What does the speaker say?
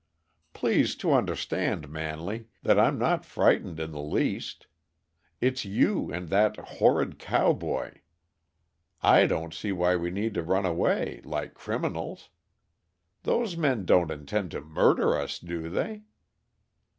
"Please to understand, Manley, that I'm not frightened in the least. It's you and that horrid cowboy I don't see why we need run away, like criminals. Those men don't intend to murder us, do they?"